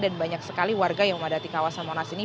dan banyak sekali warga yang memadati kawasan monas ini